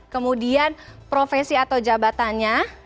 kemudian profesi atau jabatannya